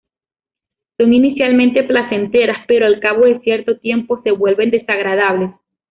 Son inicialmente placenteras, pero al cabo de cierto tiempo se vuelven desagradables.